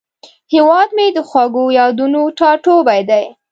هیواد مې د خوږو یادونو ټاټوبی دی